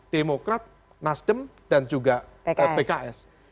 demokrat nasdem dan juga pks